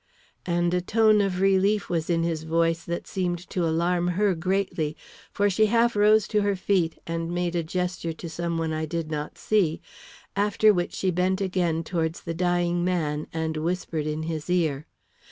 And a tone of relief was in his voice that seemed to alarm her greatly; for she half rose to her feet and made a gesture to some one I did not see, after which she bent again towards the dying man and whispered in his ear.